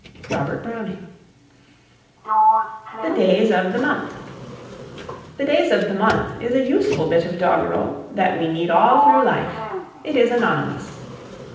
ROBERT BROWNING. THE DAYS OF THE MONTH. "The Days of the Month" is a useful bit of doggerel that we need all through life. It is anonymous.